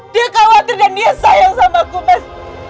dia khawatir dan dia sayang sama aku mas